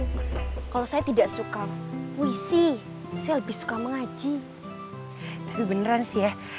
to be friends ya fish dan itu menologeru masph house tapi beneran sih ya cowok yang keren itu jalan